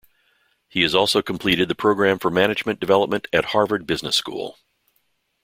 He has also completed the Program for Management Development at Harvard Business School.